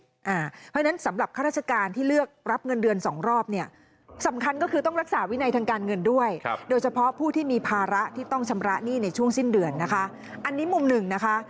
เพราะฉะนั้นสำหรับข้าราชการที่เลือกรับเงินเดือนสองรอบเนี่ยสำคัญก็คือต้องรักษาวินัยทางการเงินด้วยโดยเฉพาะผู้ที่มีภาระที่ต้องชำระหนี้ในช่วงสิ้นเดือนนะคะอันนี้มุมหนึ่งนะคะ